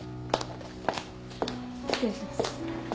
失礼します。